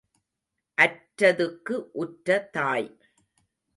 அற்றதுக்கு உற்ற தாய்.